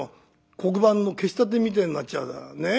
黒板の消したてみてえになっちゃうねえ。